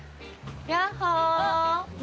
ヤッホー。